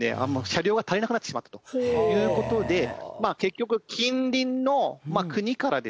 車両が足りなくなってしまったという事で結局近隣の国からですね